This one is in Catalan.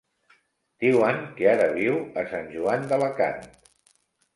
Diuen que ara viu a Sant Joan d'Alacant.